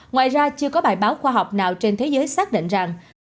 ngoài ra chưa có bài báo khoa học nào trên thế giới xác định rằng